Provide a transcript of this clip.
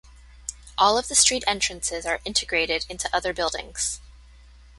All of the street entrances are integrated into other buildings.